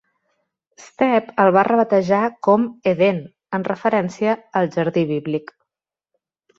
Stepp el va rebatejar com Eden en referència al jardí bíblic.